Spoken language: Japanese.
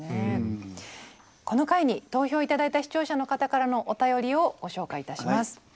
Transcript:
この回に投票頂いた視聴者の方からのお便りをご紹介いたします。